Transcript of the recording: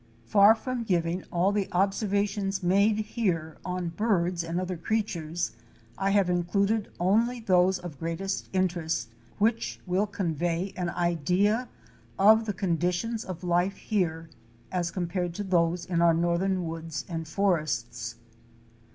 Far from giving all the observations made here on birds and other creatures, I have included only those of greatest interest, which will convey an idea of the conditions of life here as compared to those in our northern woods and forests.